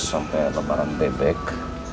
sampai lebaran bebek